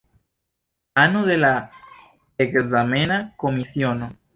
Ano de la ekzamena komisiono.